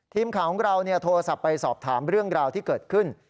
ทีมข่าวของเราโทรศัพท์ไปสอบถามเรื่องราวที่เกิดขึ้น